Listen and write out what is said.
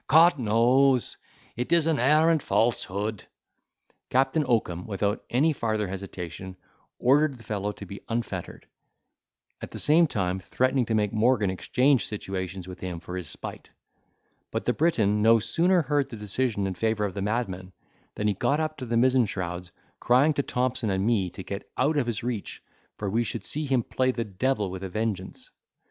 Cot knows, it is an arrant falsehood." Captain Oakum, without any farther hesitation, ordered the fellow to be unfettered; at the same time, threatening to make Morgan exchange situations with him for his spite; but the Briton no sooner heard the decision in favour of the madman, than he got up to the mizen shrouds, crying to Thompson and me to get out of his reach, for we should see him play the devil with a vengeance.